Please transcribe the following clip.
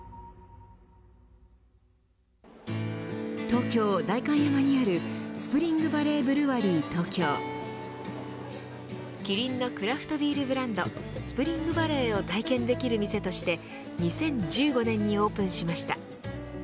東京、代官山にあるスプリングバレーブルワリー東京キリンのクラフトビールブランドスプリングバレーを体験できる店として２０１５年にオープンしました。